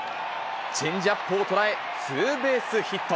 チェンジアップを捉え、ツーベースヒット。